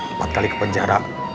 empat kali ke penjara